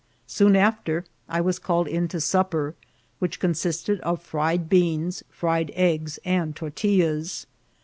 Soon after I was called in to supper, which consisted of fried beans, fried eggs, and tortillas.